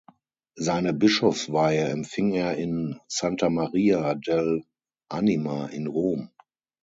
Seine Bischofsweihe empfing er in Santa Maria dell’Anima in Rom.